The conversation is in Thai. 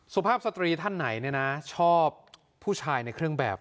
สุภาพสตรีท่านไหนเนี่ยนะชอบผู้ชายในเครื่องแบบ